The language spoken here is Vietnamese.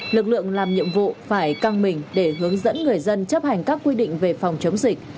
lực lượng làm nhiệm vụ phải căng mình để hướng dẫn người dân chấp hành các quy định về phòng chống dịch